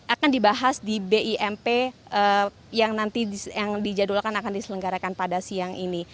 akan dibahas di bimp yang nanti yang dijadwalkan akan diselenggarakan pada siang ini